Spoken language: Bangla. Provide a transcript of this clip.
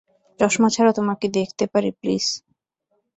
চশমা ছাড়া তোমাকে দেখতে পারি, প্লিজ?